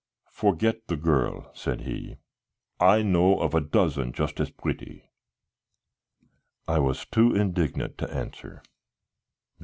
"Forget the girl," said he; "I know of a dozen just as pretty." I was too indignant to answer.